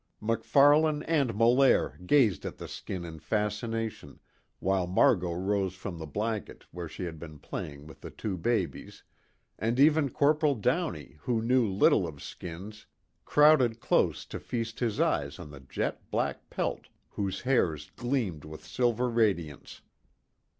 MacFarlane and Molaire gazed at the skin in fascination while Margot rose from the blanket where she had been playing with the two babies, and even Corporal Downey who knew little of skins crowded close to feast his eyes on the jet black pelt whose hairs gleamed with silver radiance.